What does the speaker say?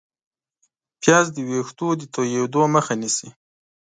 پیاز د ویښتو د تویېدو مخه نیسي